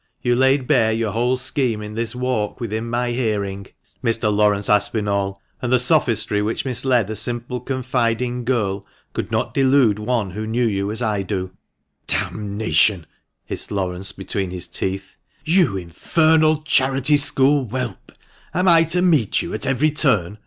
You laid bare your whole scheme in this walk within my hearing, THE MIDNIGHT STRUGGLE. THE MANCHESTER MAN. 363 Mr. Laurence Aspinall, and the sophistry which misled a simple, confiding girl could not delude one who knew you as I do." " D — nation !" hissed Laurence between his teeth. " You infernal charity school whelp ! Am I to meet you at every turn